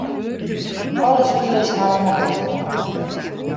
Alle spilers hawwe har bêst dien.